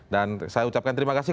dan saya ucapkan terima kasih